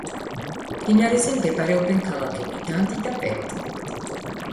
მდინარეზე მდებარეობენ ქალაქები: დანდი და პერტი.